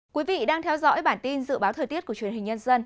quý vị đang theo dõi bản tin dự báo thời tiết của truyền hình nhân dân